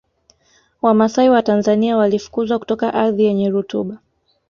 Wamasai wa Tanzania walifukuzwa kutoka ardhi yenye rutuba